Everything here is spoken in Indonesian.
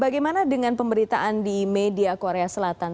bagaimana dengan pemberitaan di media korea selatan